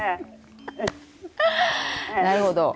なるほど。